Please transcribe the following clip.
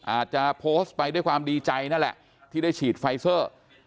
อาจจะโพสต์ไปด้วยความดีใจนั่นแหละที่ได้ฉีดไฟเซอร์